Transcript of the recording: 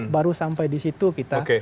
baru sampai disitu kita